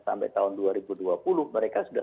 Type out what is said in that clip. sampai tahun dua ribu dua puluh mereka sudah